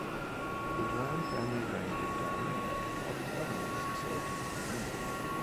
The Duan family reigned in Dali while the Governors served in Kunming.